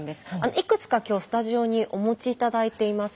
いくつか今日スタジオにお持ち頂いています。